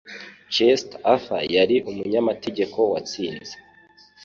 Chester Arthur yari umunyamategeko watsinze.